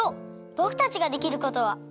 ぼくたちができることは。